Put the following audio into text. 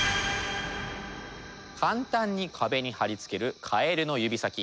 簡単に壁に貼り付けるカエルの指先